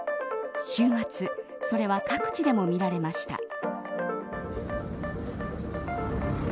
週末、それは各地でも見られました。